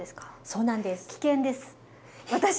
そうなんです。